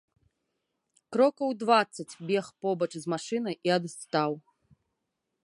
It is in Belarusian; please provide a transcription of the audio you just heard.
Крокаў дваццаць бег побач з машынай і адстаў.